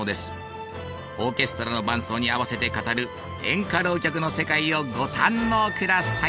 オーケストラの伴奏に合わせて語る演歌浪曲の世界をご堪能ください。